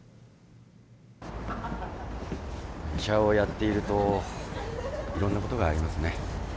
医者をやっているといろんなことがありますね。